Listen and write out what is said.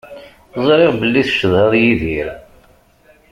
Ẓriɣ belli tcedhaḍ Yidir.